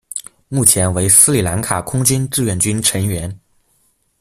目前为斯里兰卡空军志愿军成员。